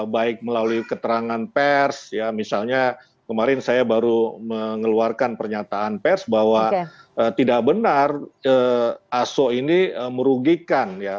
baik melalui keterangan pers ya misalnya kemarin saya baru mengeluarkan pernyataan pers bahwa tidak benar aso ini merugikan ya